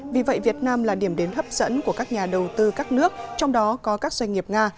vì vậy việt nam là điểm đến hấp dẫn của các nhà đầu tư các nước trong đó có các doanh nghiệp nga